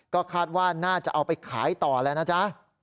ก็คาดว่าน่าจะเอาไปขายต่อแล้วนะจ๊ะ